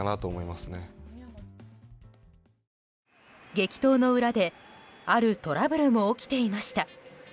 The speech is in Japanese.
激闘の裏であるトラブルも起きていました。